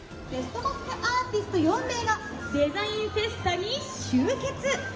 アーティスト４名がデザインフェスタに集結。